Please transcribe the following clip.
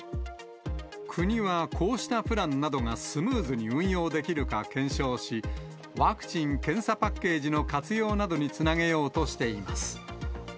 国はこうしたプランなどがスムーズに運用できるか検証し、ワクチン・検査パッケージの活用などにつなげようとしています。